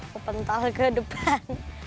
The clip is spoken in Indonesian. sentuh ke depan